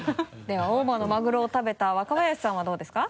では大間のマグロを食べた若林さんはどうですか？